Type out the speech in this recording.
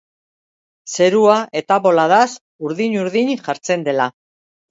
Zerua ere boladaz urdin-urdin jartzen dela.